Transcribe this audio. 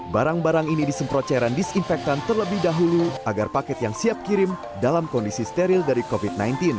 barang barang ini disemprot cairan disinfektan terlebih dahulu agar paket yang siap kirim dalam kondisi steril dari covid sembilan belas